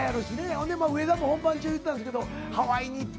ほんで上田も本番中言ってたんですけど。